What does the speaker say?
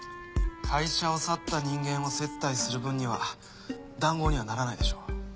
会社を去った人間を接待する分には談合にはならないでしょう。